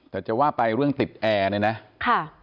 แต่จะว่าไปเรื่องติดแอร์เนี่ยนะค่ะ